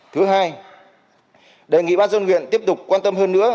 thứ hai đề nghị bác dân nguyện tiếp tục quan tâm hơn nữa